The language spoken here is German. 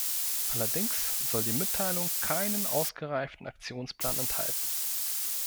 Allerdings soll die Mitteilung keinen ausgereiften Aktionsplan enthalten.